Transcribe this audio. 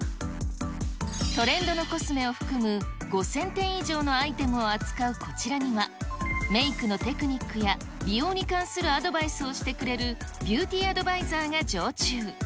トレンドのコスメを含む５０００点以上のアイテムを扱うこちらには、メイクのテクニックや、美容に関するアドバイスをしてくれる、ビューティーアドバイザーが常駐。